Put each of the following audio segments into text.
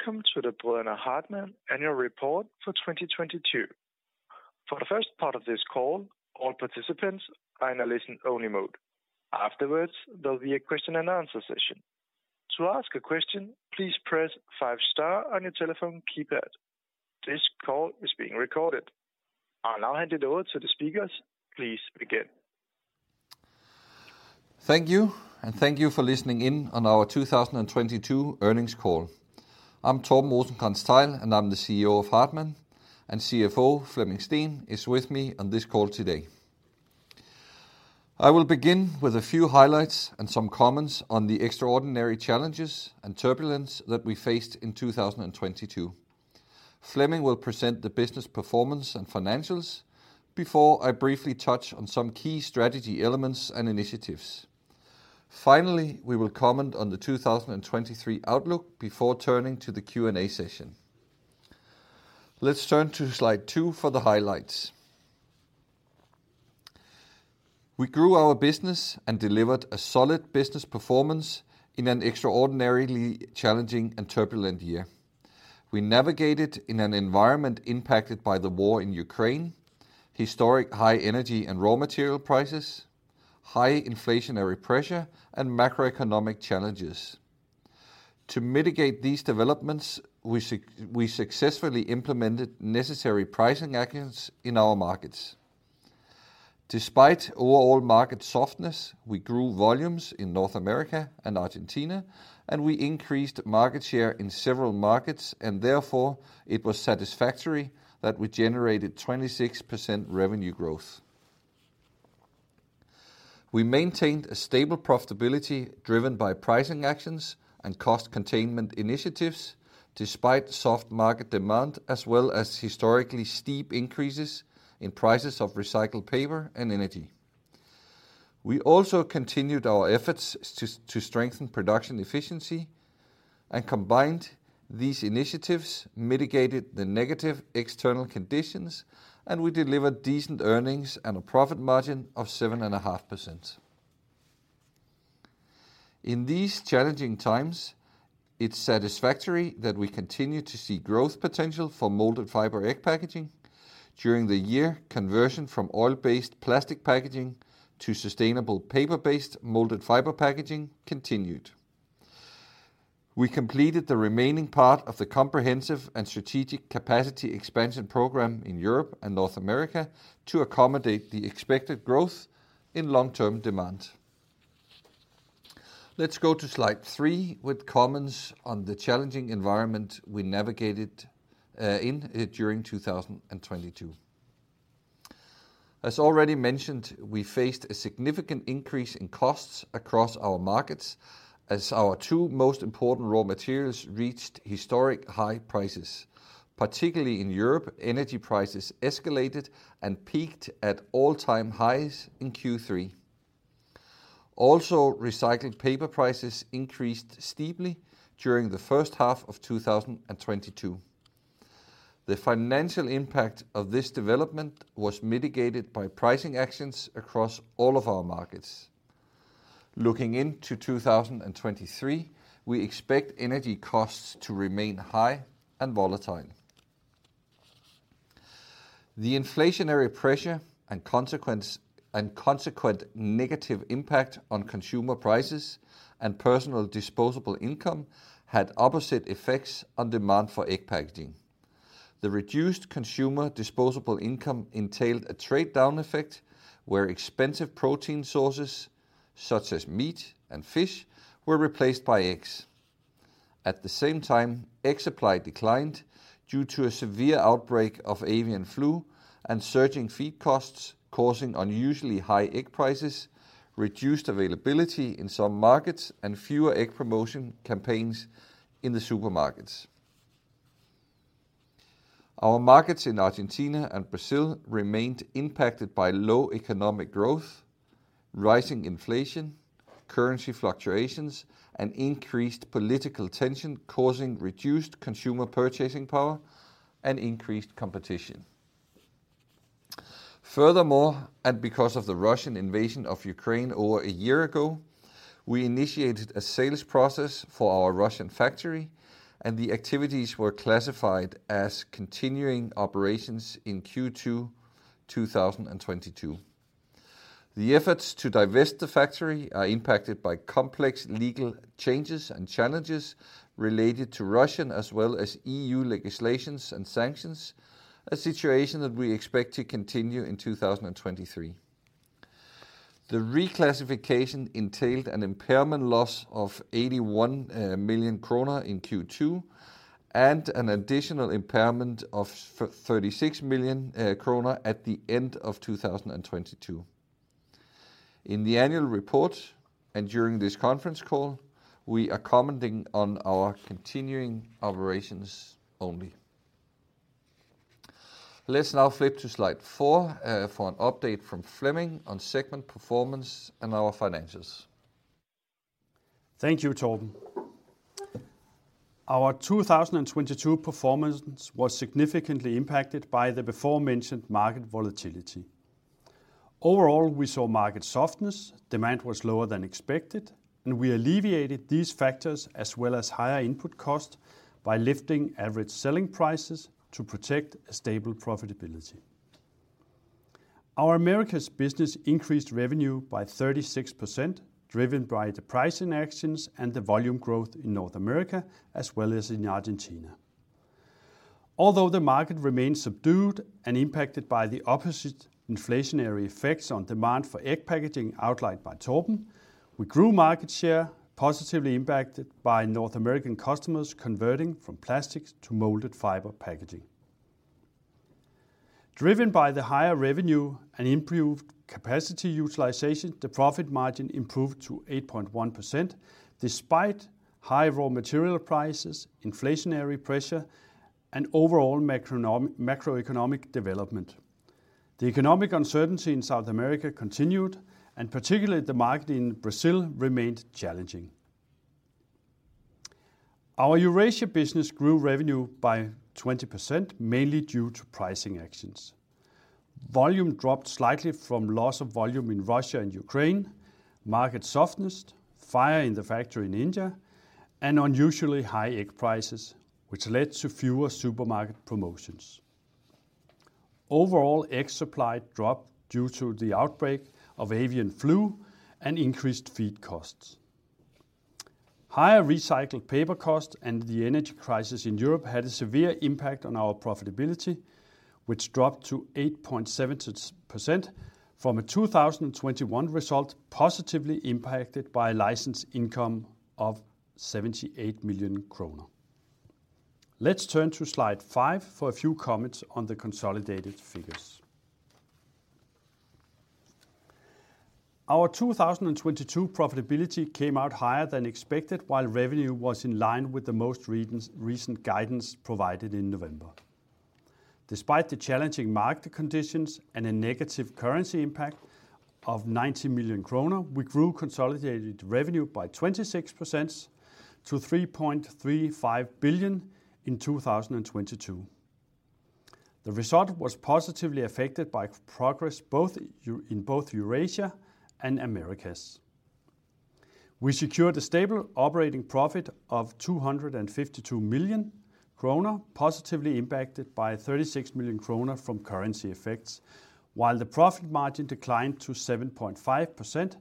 Welcome to the Brødrene Hartmann annual report for 2022. For the first part of this call, all participants are in a listen only mode. Afterwards, there'll be a question and answer session. To ask a question, please press five star on your telephone keypad. This call is being recorded. I'll now hand it over to the speakers. Please begin. Thank you. Thank you for listening in on our 2022 earnings call. I'm Torben Rosenkrantz-Theil, and I'm the CEO of Hartmann. CFO Flemming Steen is with me on this call today. I will begin with a few highlights and some comments on the extraordinary challenges and turbulence that we faced in 2022. Flemming will present the business performance and financials before I briefly touch on some key strategy elements and initiatives. Finally, we will comment on the 2023 outlook before turning to the Q&A session. Let's turn to slide two for the highlights. We grew our business and delivered a solid business performance in an extraordinarily challenging and turbulent year. We navigated in an environment impacted by the war in Ukraine, historic high energy and raw material prices, high inflationary pressure, and macroeconomic challenges. To mitigate these developments, we successfully implemented necessary pricing actions in our markets. Despite overall market softness, we grew volumes in North America and Argentina. We increased market share in several markets. Therefore, it was satisfactory that we generated 26% revenue growth. We maintained a stable profitability driven by pricing actions and cost containment initiatives despite soft market demand as well as historically steep increases in prices of recycled paper and energy. We also continued our efforts to strengthen production efficiency. Combined these initiatives mitigated the negative external conditions. We delivered decent earnings and a profit margin of 7.5%. In these challenging times, it's satisfactory that we continue to see growth potential for moulded fibre egg packaging. During the year, conversion from oil-based plastic packaging to sustainable paper-based moulded fibre packaging continued. We completed the remaining part of the comprehensive and strategic capacity expansion program in Europe and North America to accommodate the expected growth in long-term demand. Let's go to slide three with comments on the challenging environment we navigated in during 2022. As already mentioned, we faced a significant increase in costs across our markets as our two most important raw materials reached historic high prices. Particularly in Europe, energy prices escalated and peaked at all-time highs in Q3. Also, recycled paper prices increased steeply during the first half of 2022. The financial impact of this development was mitigated by pricing actions across all of our markets. Looking into 2023, we expect energy costs to remain high and volatile. The inflationary pressure and consequent negative impact on consumer prices and personal disposable income had opposite effects on demand for egg packaging. The reduced consumer disposable income entailed a trade-down effect where expensive protein sources, such as meat and fish, were replaced by eggs. At the same time, egg supply declined due to a severe outbreak of avian flu and surging feed costs causing unusually high egg prices, reduced availability in some markets, and fewer egg promotion campaigns in the supermarkets. Our markets in Argentina and Brazil remained impacted by low economic growth, rising inflation, currency fluctuations, and increased political tension causing reduced consumer purchasing power and increased competition. Furthermore, because of the Russian invasion of Ukraine over a year ago, we initiated a sales process for our Russian factory, and the activities were classified as continuing operations in Q2 2022. The efforts to divest the factory are impacted by complex legal changes and challenges related to Russian as well as EU legislations and sanctions, a situation that we expect to continue in 2023. The reclassification entailed an impairment loss of 81 million kroner in Q2 and an additional impairment of 36 million kroner at the end of 2022. In the annual report and during this conference call, we are commenting on our continuing operations only. Let's now flip to slide four for an update from Flemming Steen on segment performance and our financials. Thank you, Torben. Our 2022 performance was significantly impacted by the beforementioned market volatility. Overall, we saw market softness, demand was lower than expected. We alleviated these factors as well as higher input costs by lifting average selling prices to protect a stable profitability. Our Americas business increased revenue by 36%, driven by the pricing actions and the volume growth in North America as well as in Argentina. The market remains subdued and impacted by the opposite inflationary effects on demand for egg packaging outlined by Torben. We grew market share positively impacted by North American customers converting from plastics to moulded fibre packaging. Driven by the higher revenue and improved capacity utilization, the profit margin improved to 8.1% despite high raw material prices, inflationary pressure, and overall macroeconomic development. The economic uncertainty in South America continued, and particularly the market in Brazil remained challenging. Our Eurasia business grew revenue by 20%, mainly due to pricing actions. Volume dropped slightly from loss of volume in Russia and Ukraine, market softness, fire in the factory in India, and unusually high egg prices, which led to fewer supermarket promotions. Overall, egg supply dropped due to the outbreak of avian flu and increased feed costs. Higher recycled paper cost and the energy crisis in Europe had a severe impact on our profitability, which dropped to 8.7% from a 2021 result positively impacted by licensed income of 78 million kroner. Let's turn to slide five for a few comments on the consolidated figures. Our 2022 profitability came out higher than expected while revenue was in line with the most recent guidance provided in November. Despite the challenging market conditions and a negative currency impact of 90 million kroner, we grew consolidated revenue by 26% to 3.35 billion in 2022. The result was positively affected by progress both in Eurasia and Americas. We secured a stable operating profit of 252 million kroner, positively impacted by 36 million kroner from currency effects, while the profit margin declined to 7.5%,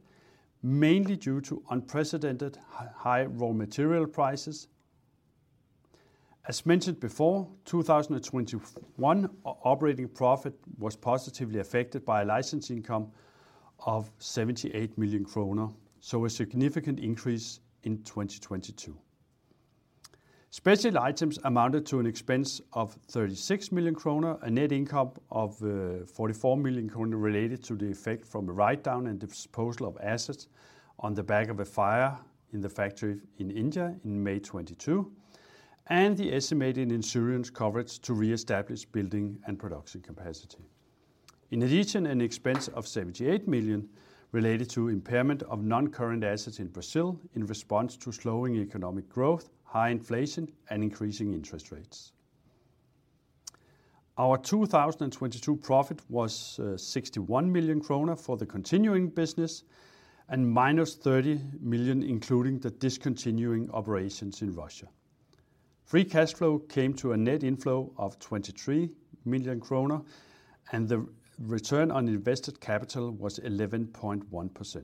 mainly due to unprecedented high raw material prices. As mentioned before, 2021 operating profit was positively affected by a license income of 78 million kroner, a significant increase in 2022. Special items amounted to an expense of 36 million kroner, a net income of 44 million kroner related to the effect from a write-down and disposal of assets on the back of a fire in the factory in India in May 2022, and the estimated insurance coverage to reestablish building and production capacity. In addition, an expense of 78 million related to impairment of non-current assets in Brazil in response to slowing economic growth, high inflation, and increasing interest rates. Our 2022 profit was 61 million kroner for the continuing business and minus 30 million, including the discontinuing operations in Russia. Free cash flow came to a net inflow of 23 million kroner, and the Return on Invested Capital was 11.1%.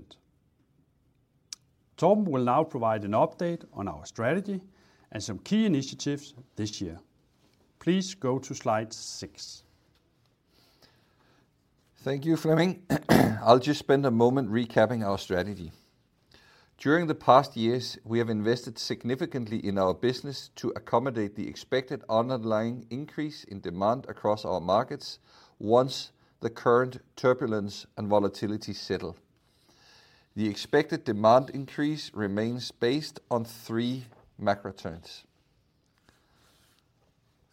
Torben will now provide an update on our strategy and some key initiatives this year. Please go to slide six. Thank you, Flemming Steen. I'll just spend a moment recapping our strategy. During the past years, we have invested significantly in our business to accommodate the expected underlying increase in demand across our markets once the current turbulence and volatility settle. The expected demand increase remains based on three macro trends.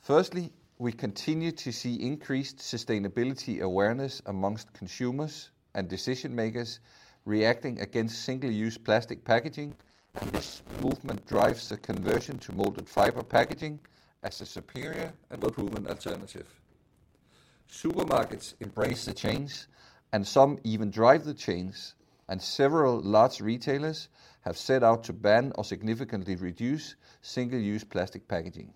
Firstly, we continue to see increased sustainability awareness amongst consumers and decision-makers reacting against single-use plastic packaging. This movement drives the conversion to moulded fibre packaging as a superior and proven alternative. Supermarkets embrace the change and some even drive the change, and several large retailers have set out to ban or significantly reduce single-use plastic packaging.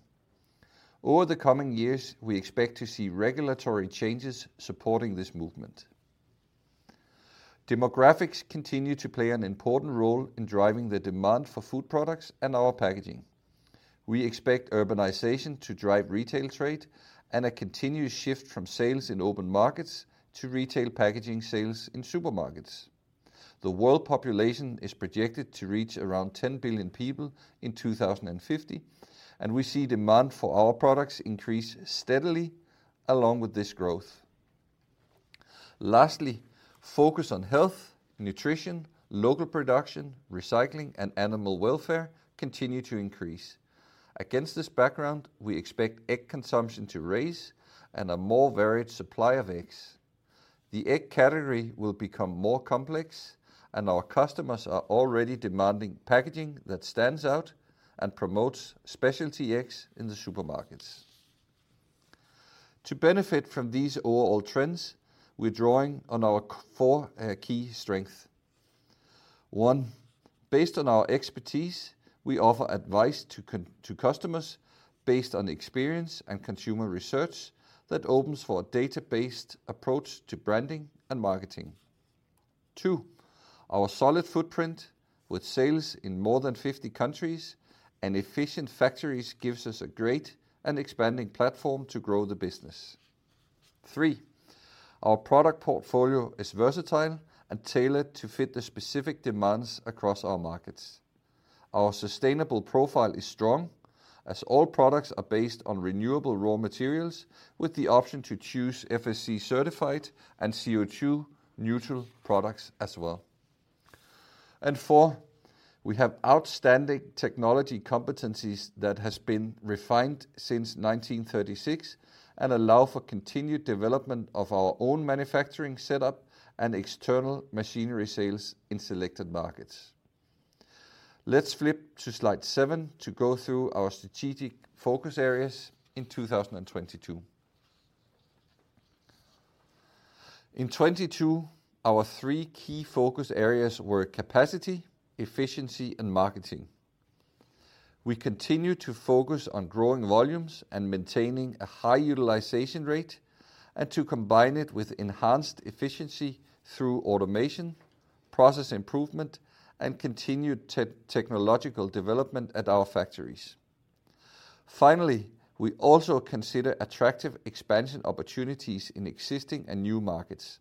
Over the coming years, we expect to see regulatory changes supporting this movement. Demographics continue to play an important role in driving the demand for food products and our packaging. We expect urbanization to drive retail trade and a continuous shift from sales in open markets to retail packaging sales in supermarkets. The world population is projected to reach around 10 billion people in 2050, and we see demand for our products increase steadily along with this growth. Lastly, focus on health, nutrition, local production, recycling, and animal welfare continue to increase. Against this background, we expect egg consumption to raise and a more varied supply of eggs. The egg category will become more complex, and our customers are already demanding packaging that stands out and promotes specialty eggs in the supermarkets. To benefit from these overall trends, we're drawing on our four key strengths. One, based on our expertise, we offer advice to customers based on experience and consumer research that opens for a data-based approach to branding and marketing. Two, our solid footprint with sales in more than 50 countries and efficient factories gives us a great and expanding platform to grow the business. Three, our product portfolio is versatile and tailored to fit the specific demands across our markets. Our sustainable profile is strong as all products are based on renewable raw materials with the option to choose FSC certified and CO2 neutral products as well. Four, we have outstanding technology competencies that has been refined since 1936 and allow for continued development of our own manufacturing setup and external machinery sales in selected markets. Let's flip to slide seven to go through our strategic focus areas in 2022. In 2022, our three key focus areas were capacity, efficiency, and marketing. We continue to focus on growing volumes and maintaining a high utilization rate and to combine it with enhanced efficiency through automation, process improvement, and continued technological development at our factories. We also consider attractive expansion opportunities in existing and new markets.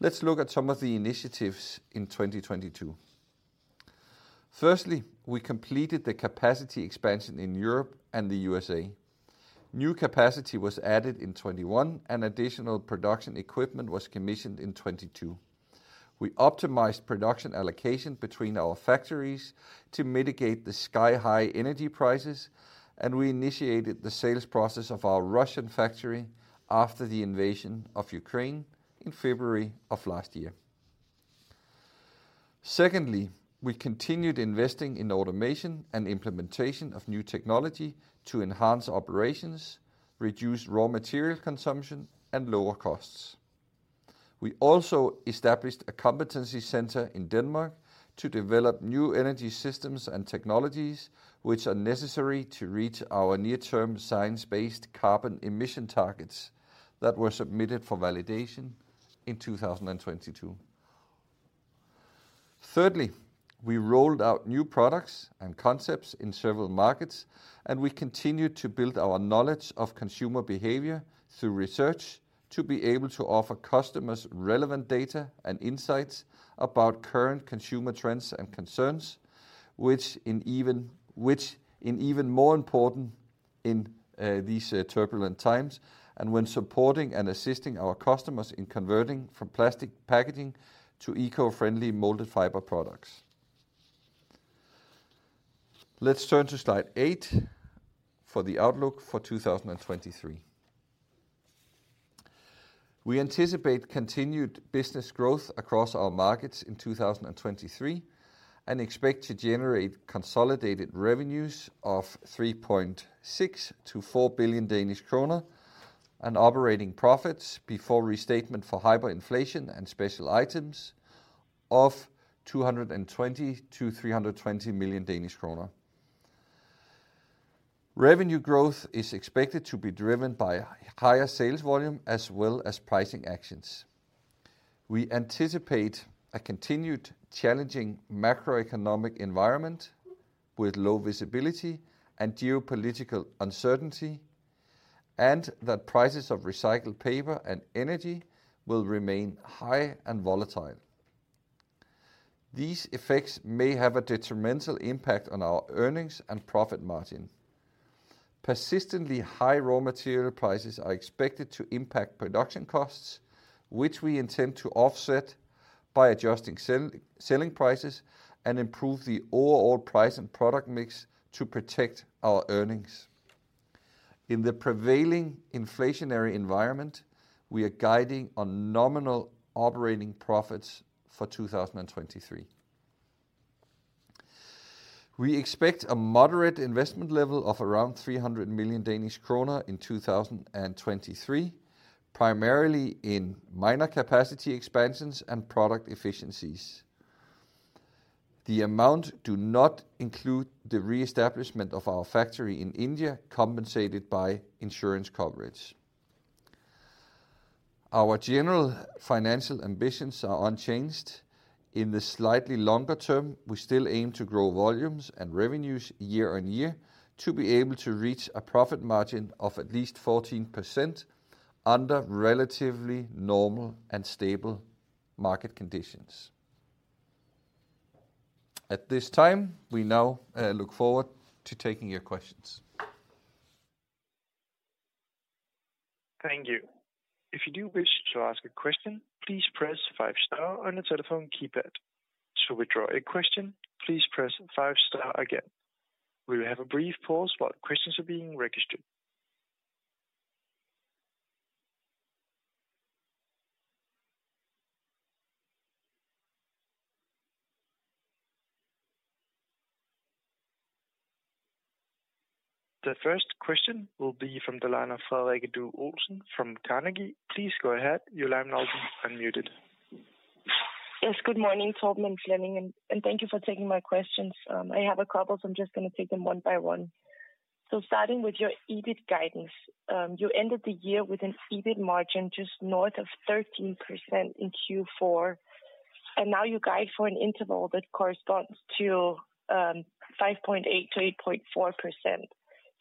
Let's look at some of the initiatives in 2022. We completed the capacity expansion in Europe and the USA. New capacity was added in 2021, and additional production equipment was commissioned in 2022. We optimized production allocation between our factories to mitigate the sky-high energy prices, and we initiated the sales process of our Russian factory after the invasion of Ukraine in February of last year. We continued investing in automation and implementation of new technology to enhance operations, reduce raw material consumption, and lower costs. We also established a competency center in Denmark to develop new energy systems and technologies which are necessary to reach our near-term Science Based Targets initiative that were submitted for validation in 2022. Thirdly, we rolled out new products and concepts in several markets, and we continued to build our knowledge of consumer behavior through research to be able to offer customers relevant data and insights about current consumer trends and concerns, which in even more important in these turbulent times and when supporting and assisting our customers in converting from plastic packaging to eco-friendly moulded fibre products. Let's turn to slide eight for the outlook for 2023. We anticipate continued business growth across our markets in 2023 and expect to generate consolidated revenues of 3.6 billion-4 billion Danish kroner and operating profits before restatement for hyperinflation and special items of 220 million-320 million Danish kroner. Revenue growth is expected to be driven by higher sales volume as well as pricing actions. We anticipate a continued challenging macroeconomic environment with low visibility and geopolitical uncertainty and that prices of recycled paper and energy will remain high and volatile. These effects may have a detrimental impact on our earnings and profit margin. Persistently high raw material prices are expected to impact production costs, which we intend to offset by adjusting selling prices and improve the overall price and product mix to protect our earnings. In the prevailing inflationary environment, we are guiding on nominal operating profits for 2023. We expect a moderate investment level of around 300 million Danish kroner in 2023, primarily in minor capacity expansions and product efficiencies. The amount do not include the reestablishment of our factory in India compensated by insurance coverage. Our general financial ambitions are unchanged. In the slightly longer term, we still aim to grow volumes and revenues year-over-year to be able to reach a profit margin of at least 14% under relatively normal and stable market conditions. At this time, we now look forward to taking your questions. Thank you. If you do wish to ask a question, please press five star on your telephone keypad. To withdraw a question, please press five star again. We will have a brief pause while questions are being registered. The first question will be from the line of Frederikke Due Olsen from Carnegie. Please go ahead. Your line now is unmuted. Good morning, Torben and Flemming, and thank you for taking my questions. I have a couple, so I'm just going to take them one by one. Starting with your EBIT guidance. You ended the year with an EBIT margin just north of 13% in Q4, and now you guide for an interval that corresponds to 5.8%-8.4%.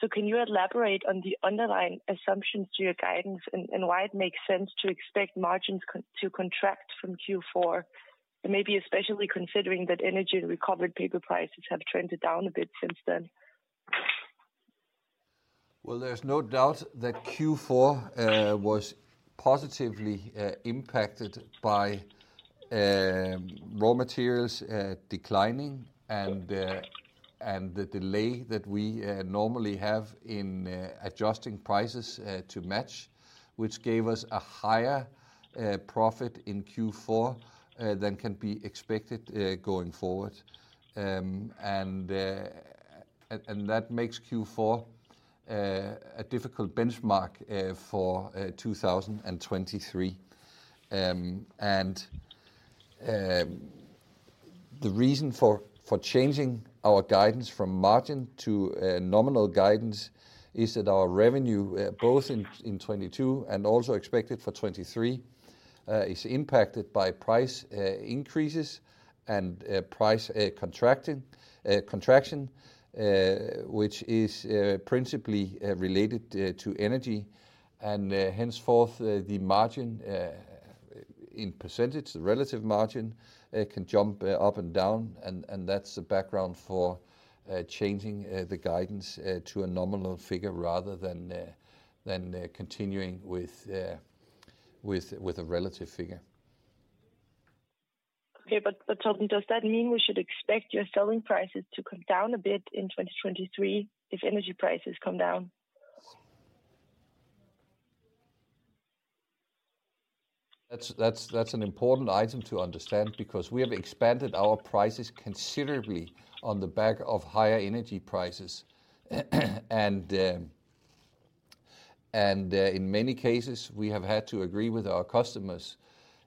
Can you elaborate on the underlying assumptions to your guidance and why it makes sense to expect margins to contract from Q4? Maybe especially considering that energy and recovered paper prices have trended down a bit since then. There's no doubt that Q4 was positively impacted by raw materials declining and the delay that we normally have in adjusting prices to match, which gave us a higher profit in Q4 than can be expected going forward. That makes Q4 a difficult benchmark for 2023. The reason for changing our guidance from margin to a nominal guidance is that our revenue, both in 2022 and also expected for 2023, is impacted by price increases and price contracting contraction, which is principally related to energy. Henceforth, the margin, in percentage, the relative margin, can jump up and down and that's the background for changing the guidance to a nominal figure rather than continuing with a relative figure. Okay. Torben, does that mean we should expect your selling prices to come down a bit in 2023 if energy prices come down? That's an important item to understand because we have expanded our prices considerably on the back of higher energy prices. In many cases we have had to agree with our customers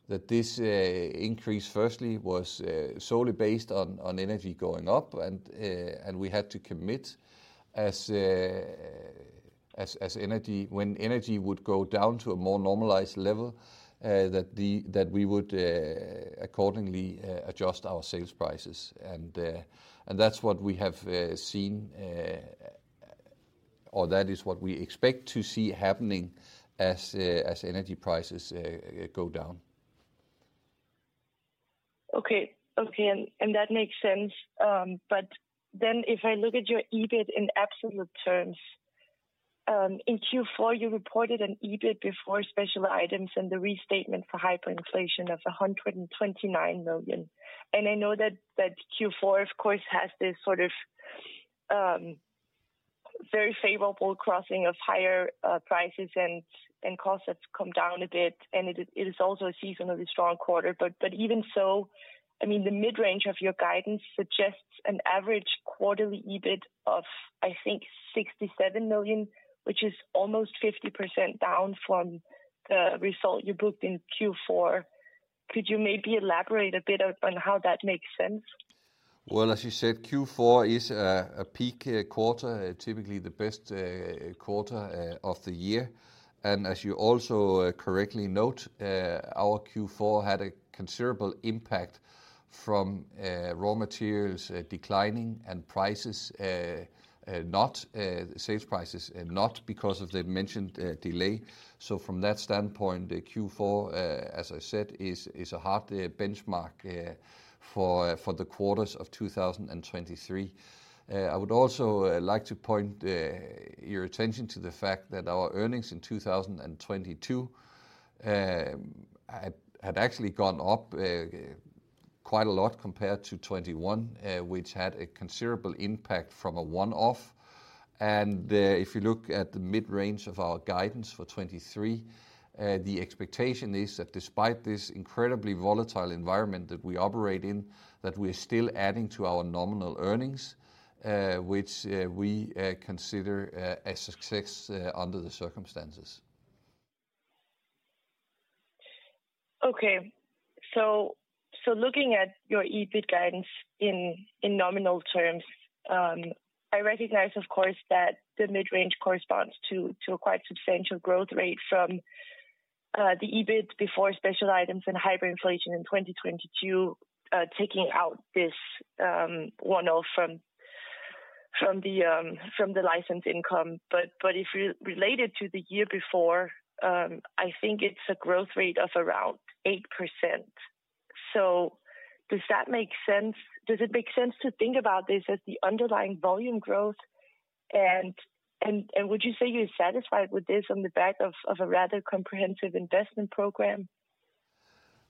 that this increase firstly was solely based on energy going up and we had to commit when energy would go down to a more normalized level that the, that we would accordingly adjust our sales prices. That's what we have seen or that is what we expect to see happening as energy prices go down. Okay. Okay. That makes sense. If I look at your EBIT in absolute terms, in Q4 you reported an EBIT before special items and the restatement for hyperinflation of 129 million. I know that Q4, of course, has this sort of very favorable crossing of higher prices and costs have come down a bit, and it is also a seasonally strong quarter. Even so, I mean, the mid-range of your guidance suggests an average quarterly EBIT of, I think 67 million, which is almost 50% down from the result you booked in Q4. Could you maybe elaborate a bit on how that makes sense? Well, as you said, Q4 is a peak quarter, typically the best quarter of the year. As you also correctly note, our Q4 had a considerable impact from raw materials declining and prices not sales prices not because of the mentioned delay. From that standpoint, Q4, as I said, is a hard benchmark for the quarters of 2023. I would also like to point your attention to the fact that our earnings in 2022 had actually gone up quite a lot compared to 2021, which had a considerable impact from a one-off. If you look at the mid-range of our guidance for 2023, the expectation is that despite this incredibly volatile environment that we operate in, that we're still adding to our nominal earnings, which, we, consider, a success, under the circumstances. Looking at your EBIT guidance in nominal terms, I recognize of course that the mid-range corresponds to a quite substantial growth rate from the EBIT before special items and hyperinflation in 2022, taking out this one-off from the license income. If re-related to the year before, I think it's a growth rate of around 8%. Does that make sense? Does it make sense to think about this as the underlying volume growth? Would you say you're satisfied with this on the back of a rather comprehensive investment program?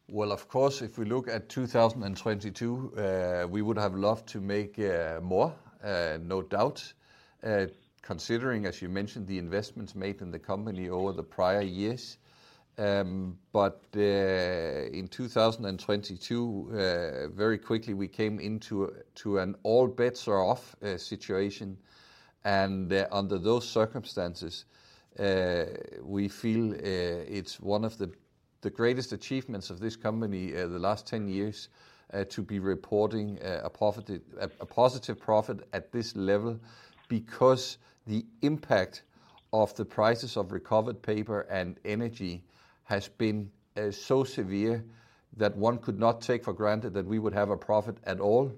Well, of course, if we look at 2022, we would have loved to make more, no doubt, considering, as you mentioned, the investments made in the company over the prior years. But in 2022, very quickly we came into an all bets are off situation. Under those circumstances, we feel it's one of the greatest achievements of this company the last 10 years to be reporting a positive profit at this level, because the impact of the prices of recovered paper and energy has been so severe that one could not take for granted that we would have a profit at all.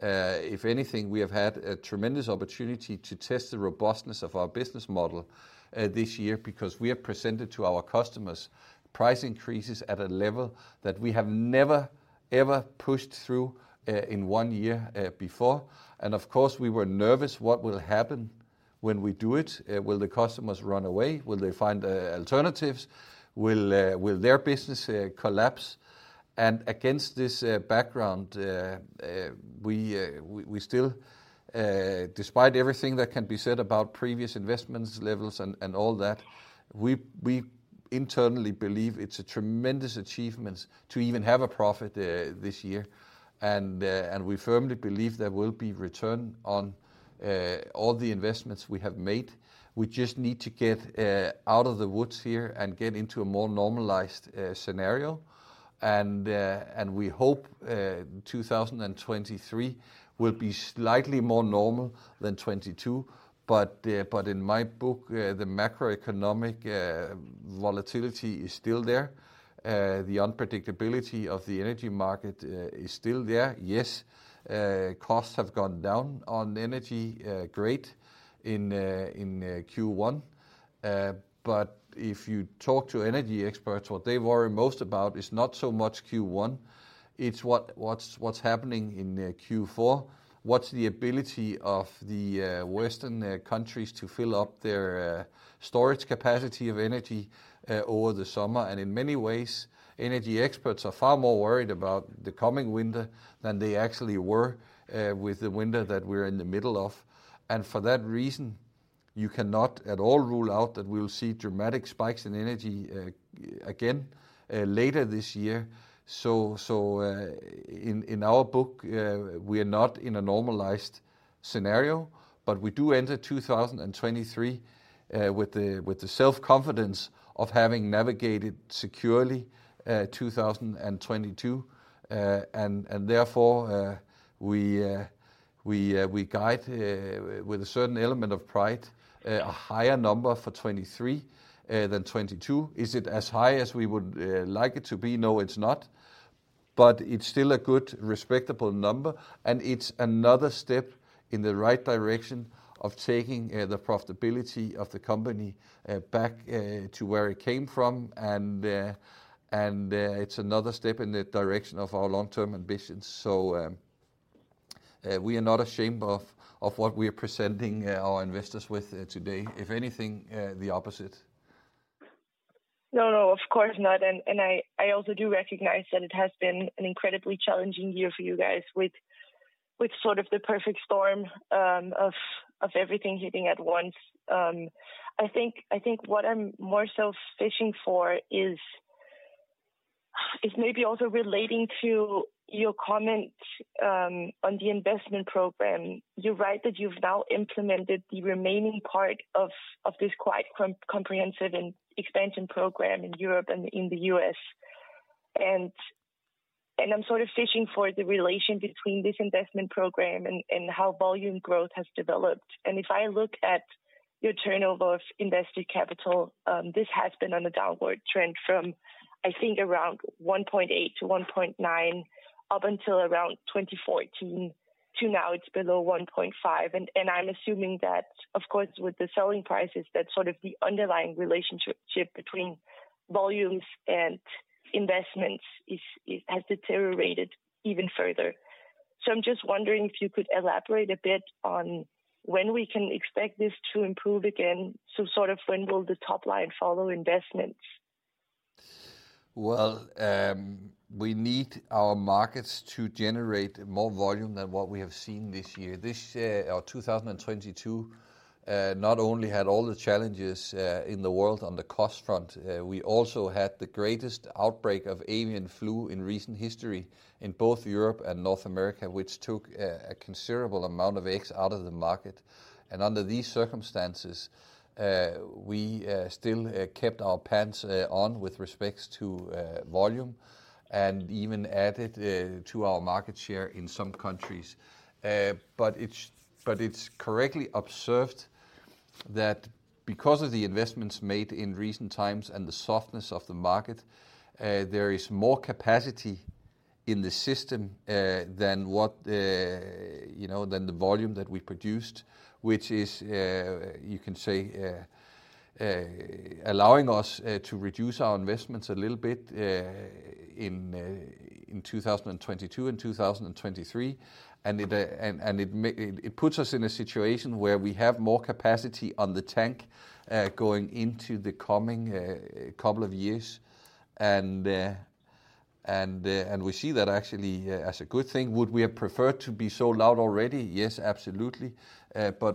If anything, we have had a tremendous opportunity to test the robustness of our business model this year because we have presented to our customers price increases at a level that we have never, ever pushed through in one year before. Of course, we were nervous what will happen when we do it. Will the customers run away? Will they find alternatives? Will their business collapse? Against this background, we still, despite everything that can be said about previous investments levels and all that, we internally believe it's a tremendous achievement to even have a profit this year. We firmly believe there will be return on all the investments we have made. We just need to get out of the woods here and get into a more normalized scenario. We hope 2023 will be slightly more normal than 2022. In my book, the macroeconomic volatility is still there. The unpredictability of the energy market is still there. Yes, costs have gone down on energy, great in Q1. If you talk to energy experts, what they worry most about is not so much Q1, it's what's happening in Q4. What's the ability of the Western countries to fill up their storage capacity of energy over the summer. In many ways, energy experts are far more worried about the coming winter than they actually were with the winter that we're in the middle of. For that reason, you cannot at all rule out that we'll see dramatic spikes in energy again later this year. In our book, we are not in a normalized scenario, but we do enter 2023 with the self-confidence of having navigated securely 2022. Therefore, we guide with a certain element of pride a higher number for 2023 than 2022. Is it as high as we would like it to be? No, it's not. It's still a good respectable number, and it's another step in the right direction of taking the profitability of the company back to where it came from. It's another step in the direction of our long-term ambitions. We are not ashamed of what we are presenting our investors with today. If anything, the opposite. No, of course not. I also do recognize that it has been an incredibly challenging year for you guys with sort of the perfect storm of everything hitting at once. I think what I'm more so fishing for is maybe also relating to your comment on the investment program. You write that you've now implemented the remaining part of this quite comprehensive expansion program in Europe and in the U.S. I'm sort of fishing for the relation between this investment program and how volume growth has developed. If I look at your turnover of invested capital, this has been on a downward trend from, I think around 1.8-1.9 up until around 2014 to now it's below 1.5. And I'm assuming that, of course, with the selling prices, that's sort of the underlying relationship between volumes and investments is has deteriorated even further. I'm just wondering if you could elaborate a bit on when we can expect this to improve again? Sort of when will the top line follow investments? Well, we need our markets to generate more volume than what we have seen this year. This year or 2022, not only had all the challenges in the world on the cost front, we also had the greatest outbreak of avian flu in recent history in both Europe and North America, which took a considerable amount of eggs out of the market. Under these circumstances, we still kept our pants on with respects to volume and even added to our market share in some countries. But it's correctly observed that because of the investments made in recent times and the softness of the market, there is more capacity in the system than what, you know, than the volume that we produced, which is, you can say, allowing us to reduce our investments a little bit in 2022 and 2023, and it puts us in a situation where we have more capacity on the tank going into the coming couple of years. We see that actually as a good thing. Would we have preferred to be sold out already? Yes, absolutely.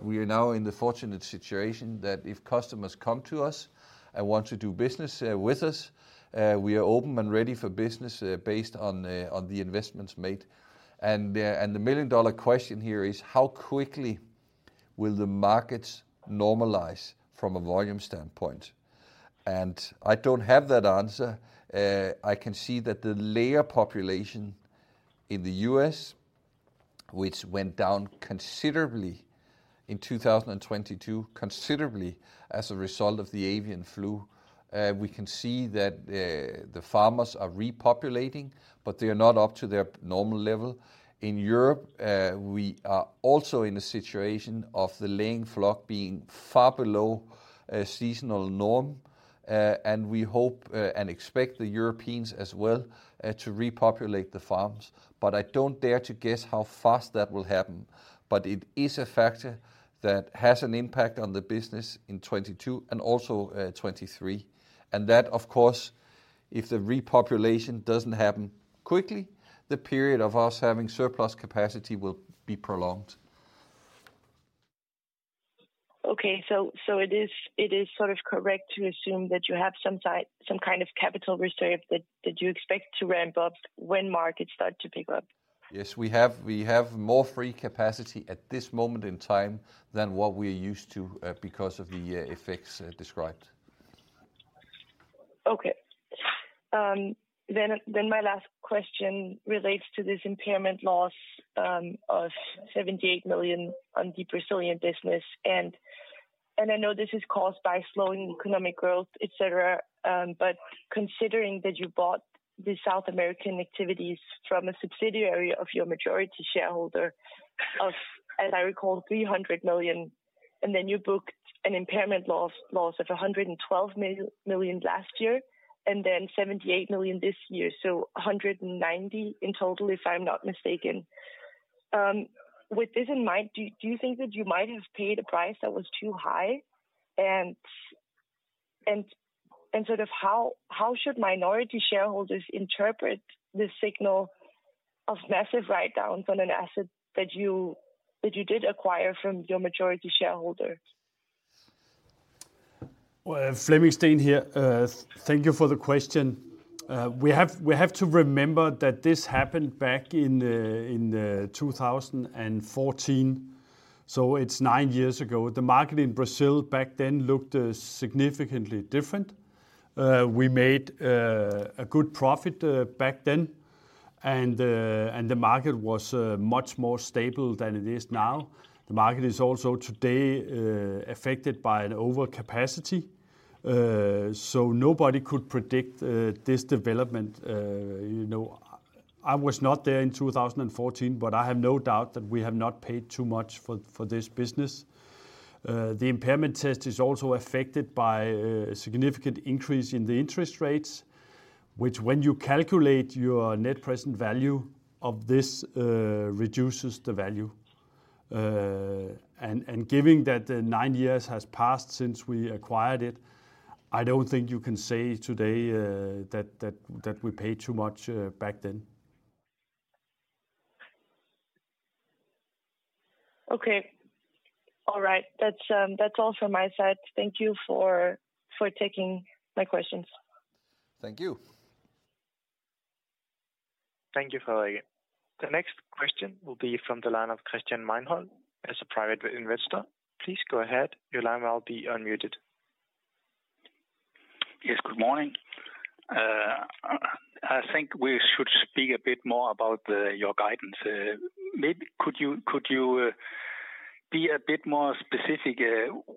We are now in the fortunate situation that if customers come to us and want to do business with us, we are open and ready for business based on the investments made. The million-dollar question here is how quickly will the markets normalize from a volume standpoint? I don't have that answer. I can see that the layer population in the U.S., which went down considerably in 2022, considerably as a result of the avian flu. We can see that the farmers are repopulating, but they're not up to their normal level. In Europe, we are also in a situation of the laying flock being far below a seasonal norm. We hope and expect the Europeans as well to repopulate the farms. I don't dare to guess how fast that will happen. It is a factor that has an impact on the business in 2022 and also 2023. That, of course, if the repopulation doesn't happen quickly, the period of us having surplus capacity will be prolonged. Okay. so it is sort of correct to assume that you have some kind of capital reserve that you expect to ramp up when markets start to pick up? Yes, we have more free capacity at this moment in time than what we're used to, because of the effects described. Okay. then my last question relates to this impairment loss, of 78 million on the Brazilian business. I know this is caused by slowing economic growth, et cetera, but considering that you bought the South American activities from a subsidiary of your majority shareholder of, as I recall, 300 million, and then you booked an impairment loss of 112 million last year, and then 78 million this year, so 190 million in total, if I'm not mistaken. with this in mind, do you think that you might have paid a price that was too high? sort of how should minority shareholders interpret this signal of massive write-downs on an asset that you, that you did acquire from your majority shareholder? Flemming Steen here. Thank you for the question. We have to remember that this happened back in 2014, so it's nine years ago. The market in Brazil back then looked significantly different. We made a good profit back then, and the market was much more stable than it is now. The market is also today affected by an overcapacity, so nobody could predict this development. You know, I was not there in 2014, but I have no doubt that we have not paid too much for this business. The impairment test is also affected by significant increase in the interest rates, which when you calculate your Net Present Value of this, reduces the value. Giving that, nine years has passed since we acquired it, I don't think you can say today, that we paid too much, back then. Okay. All right. That's all from my side. Thank you for taking my questions. Thank you. Thank you, Frederikke. The next question will be from the line of Christian [Mainholm], as a private investor. Please go ahead. Your line will be unmuted. Yes, good morning. I think we should speak a bit more about your guidance. Maybe could you be a bit more specific,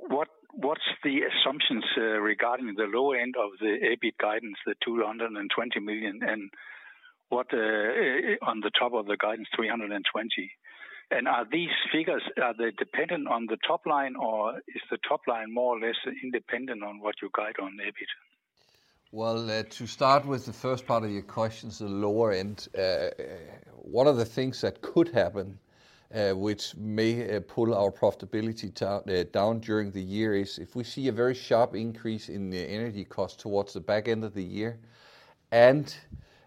what's the assumptions regarding the low end of the EBIT guidance, the 220 million, and what, on the top of the guidance, 320 million? Are these figures dependent on the top line, or is the top line more or less independent on what you guide on the EBIT? Well, to start with the first part of your questions, the lower end. One of the things that could happen, which may pull our profitability down during the year is if we see a very sharp increase in the energy cost towards the back end of the year, and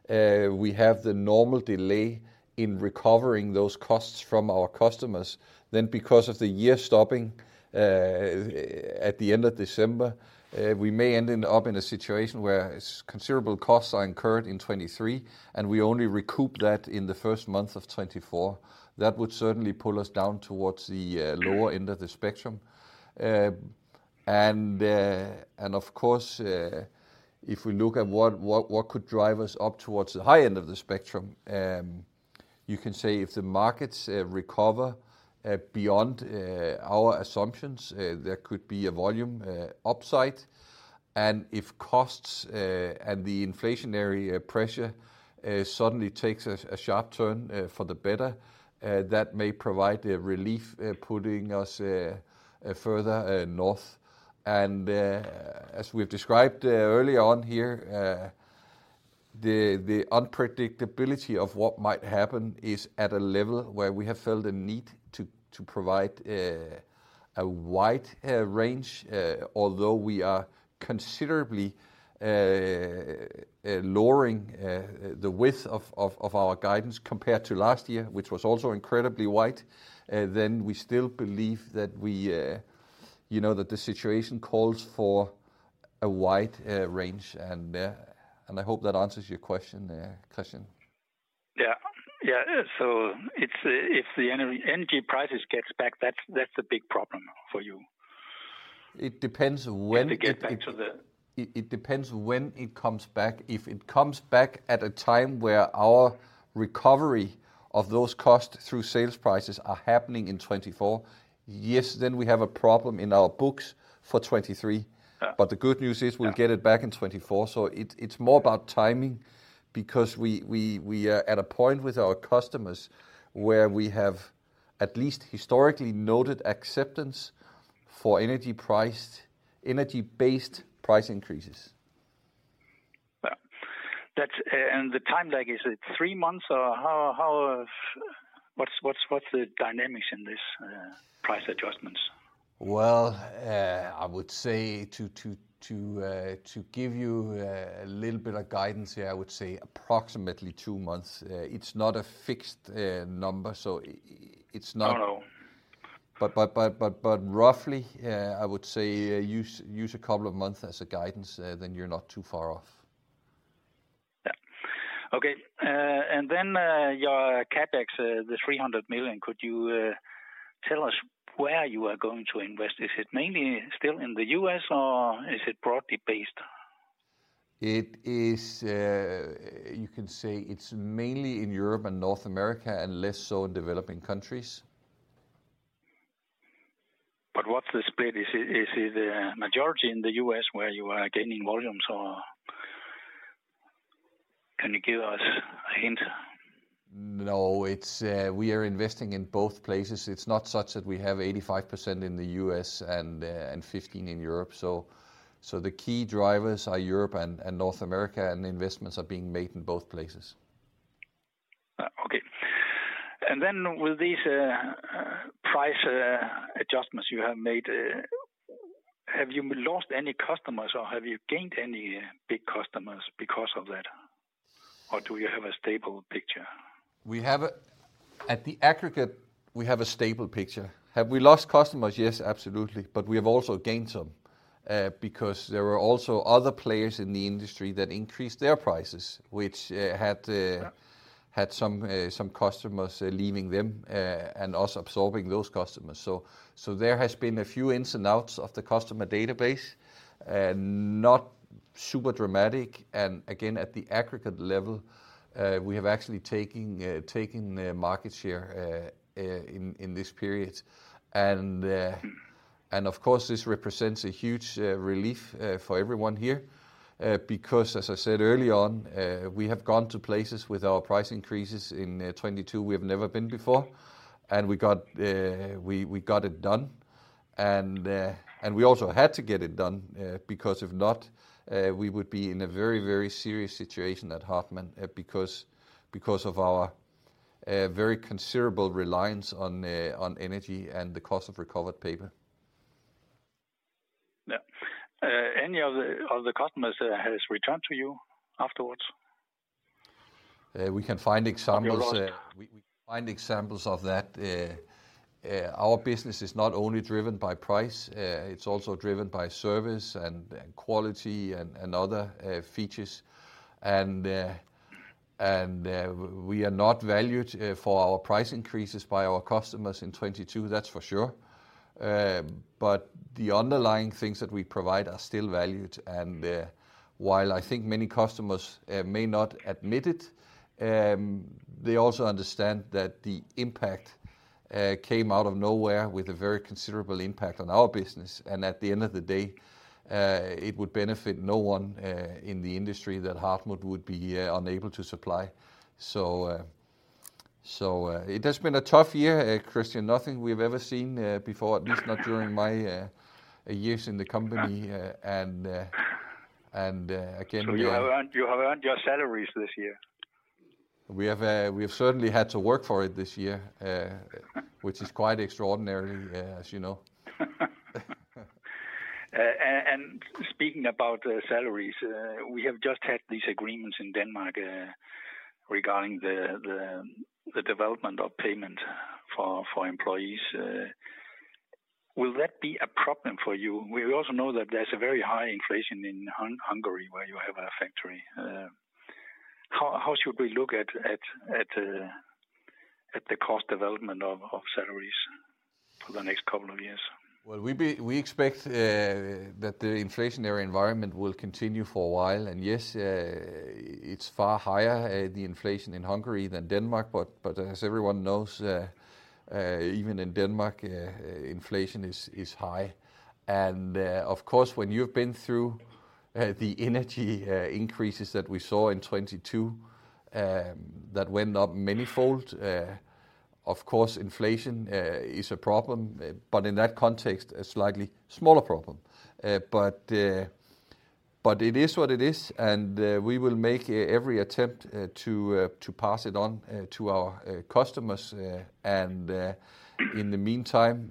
we have the normal delay in recovering those costs from our customers, then because of the year stopping, at the end of December, we may end up in a situation where considerable costs are incurred in 2023, and we only recoup that in the first month of 2024. That would certainly pull us down towards the lower end of the spectrum. Of course, if we look at what could drive us up towards the high end of the spectrum, you can say if the markets recover beyond our assumptions, there could be a volume upside. And if costs and the inflationary pressure suddenly takes a sharp turn for the better, that may provide a relief, putting us further north. As we've described early on here, the unpredictability of what might happen is at a level where we have felt a need to provide a wide range. Although we are considerably lowering the width of our guidance compared to last year, which was also incredibly wide, then we still believe that we, you know, that the situation calls for a wide range and I hope that answers your question there, Christian. Yeah. Yeah. It's, if the energy prices gets back, that's a big problem for you. It depends when. If they get back to. It depends when it comes back. If it comes back at a time where our recovery of those costs through sales prices are happening in 2024, yes, then we have a problem in our books for 2023. The good news is we'll get it back in 2024, so it's more about timing because we are at a point with our customers where we have at least historically noted acceptance for energy-based price increases. Well, the time lag, is it three months or how, what's the dynamics in this, price adjustments? Well, I would say to give you a little bit of guidance here, I would say approximately two months. It's not a fixed number, it's not No, no. Roughly, I would say use two months as a guidance, then you're not too far off. Yeah. Okay. Your CapEx, the 300 million, could you tell us where you are going to invest? Is it mainly still in the U.S. or is it broadly based? It is, you can say it's mainly in Europe and North America and less so in developing countries. What's the split? Is it, majority in the U.S. where you are gaining volumes or can you give us a hint? No. It's, we are investing in both places. It's not such that we have 85% in the U.S. and, 15% in Europe. The key drivers are Europe and North America, and investments are being made in both places. Okay. With these price adjustments you have made, have you lost any customers or have you gained any big customers because of that? Or do you have a stable picture? At the aggregate, we have a stable picture. Have we lost customers? Yes, absolutely. We have also gained some because there are also other players in the industry that increased their prices, which had some customers leaving them and us absorbing those customers. There has been a few ins and outs of the customer database. Not super dramatic. Again, at the aggregate level, we have actually taking market share in this period. Of course this represents a huge relief for everyone here because, as I said early on, we have gone to places with our price increases in 2022 we have never been before. We got it done. We also had to get it done because if not, we would be in a very, very serious situation at Hartmann because of our very considerable reliance on energy and the cost of recovered paper. Yeah. Any of the customers has returned to you afterwards? We can find examples of that. Our business is not only driven by price, it's also driven by service and quality and other features. We are not valued for our price increases by our customers in 2022, that's for sure. The underlying things that we provide are still valued. While I think many customers may not admit it, they also understand that the impact came out of nowhere with a very considerable impact on our business. At the end of the day, it would benefit no one in the industry that Hartmann would be unable to supply. It has been a tough year, Christian. Nothing we've ever seen before, at least not during my years in the company, and, again we are- You have earned your salaries this year. We have certainly had to work for it this year, which is quite extraordinary, as you know. Speaking about the salaries, we have just had these agreements in Denmark, regarding the development of payment for employees. Will that be a problem for you? We also know that there's a very high inflation in Hungary where you have a factory. How should we look at the cost development of salaries for the next couple of years? Well, we expect that the inflationary environment will continue for a while. Yes, it's far higher, the inflation in Hungary than Denmark. As everyone knows, even in Denmark, inflation is high. Of course, when you've been through the energy increases that we saw in 2022, that went up manyfold. Of course, inflation is a problem, but in that context, a slightly smaller problem. But it is what it is, and we will make every attempt to pass it on to our customers, and in the meantime,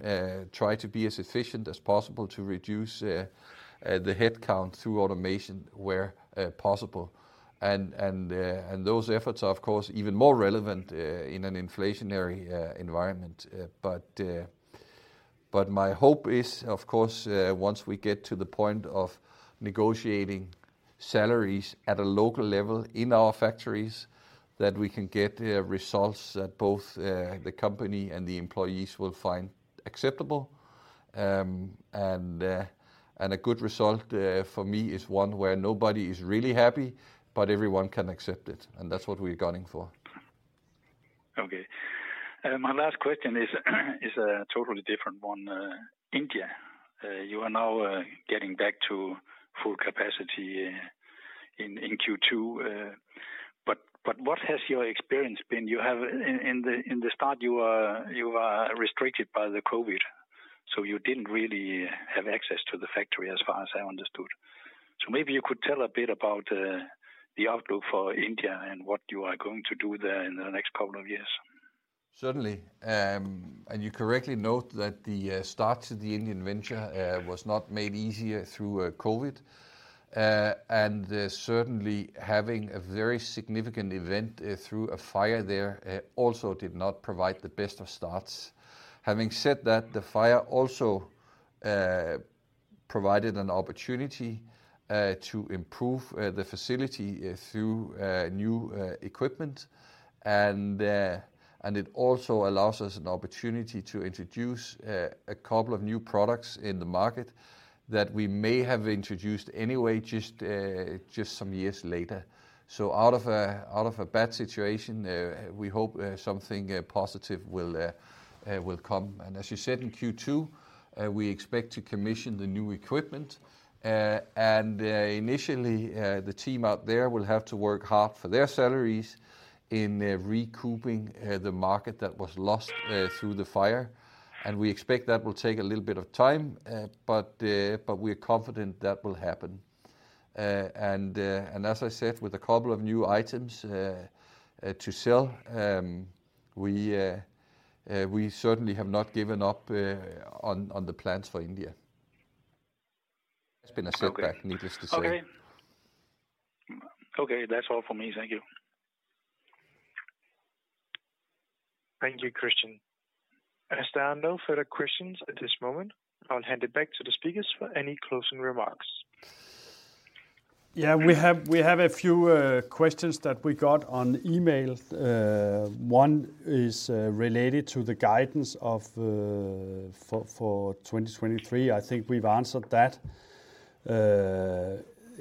try to be as efficient as possible to reduce the headcount through automation where possible. Those efforts are, of course, even more relevant, in an inflationary environment. My hope is, of course, once we get to the point of negotiating salaries at a local level in our factories, that we can get results that both the company and the employees will find acceptable. A good result for me is one where nobody is really happy, but everyone can accept it, and that's what we're gunning for. Okay. My last question is a totally different one. India, you are now getting back to full capacity in Q2. What has your experience been? In the start, you were restricted by the COVID, so you didn't really have access to the factory, as far as I understood. Maybe you could tell a bit about the outlook for India and what you are going to do there in the next couple of years. Certainly. You correctly note that the start to the Indian venture was not made easier through COVID. Certainly having a very significant event through a fire there also did not provide the best of starts. Having said that, the fire also provided an opportunity to improve the facility through new equipment. It also allows us an opportunity to introduce a couple of new products in the market that we may have introduced anyway, just some years later. Out of a bad situation, we hope something positive will come. As you said, in Q2, we expect to commission the new equipment. Initially, the team out there will have to work hard for their salaries in recouping the market that was lost through the fire. We expect that will take a little bit of time, but we're confident that will happen. As I said, with a couple of new items to sell, we certainly have not given up on the plans for India. It's been a setback needless to say. Okay. Okay, that's all for me. Thank you. Thank you, Christian. As there are no further questions at this moment, I'll hand it back to the speakers for any closing remarks. Yeah. We have a few questions that we got on email. One is related to the guidance for 2023. I think we've answered that.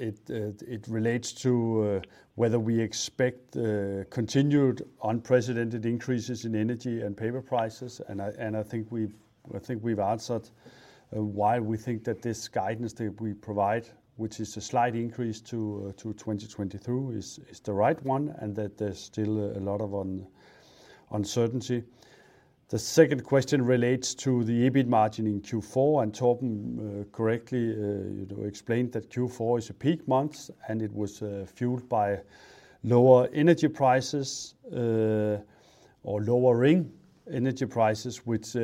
It relates to whether we expect continued unprecedented increases in energy and paper prices. I think we've answered why we think that this guidance that we provide, which is a slight increase to 2022, is the right one, and that there's still a lot of uncertainty. The second question relates to the EBIT margin in Q4. Torben Rosenkrantz-Theil correctly, you know, explained that Q4 is a peak month, and it was fueled by lower energy prices, or lowering energy prices, which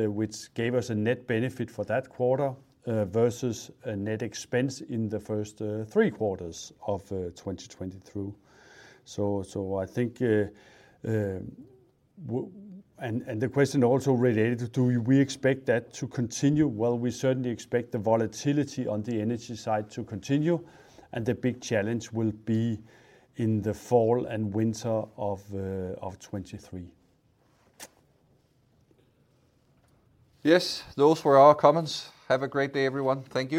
gave us a net benefit for that quarter, versus a net expense in the first three quarters of 2022. The question also related to, do we expect that to continue? We certainly expect the volatility on the energy side to continue. The big challenge will be in the fall and winter of 2023. Yes. Those were our comments. Have a great day, everyone. Thank you.